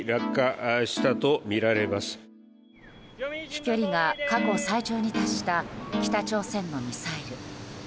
飛距離が過去最長に達した北朝鮮のミサイル。